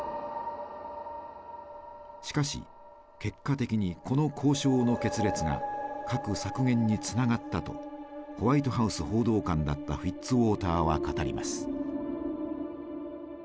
しかし結果的にこの交渉の決裂が核削減につながったとホワイトハウス報道官だったフィッツウォーターは語ります。